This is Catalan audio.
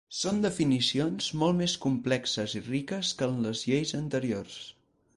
Són definicions molt més complexes i riques que en les lleis anteriors.